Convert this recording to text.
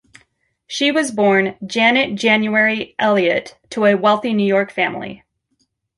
She was born Janet January Elliott to a wealthy New York family.